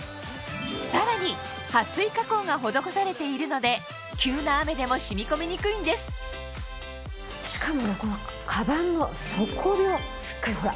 さらに撥水加工が施されているので急な雨でも染み込みにくいんですしかもこのかばんの底もしっかりほら。